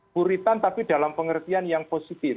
buritan tapi dalam pengertian yang positif